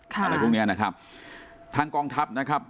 อะไรพวกเนี้ยนะครับทางกองทัพนะครับ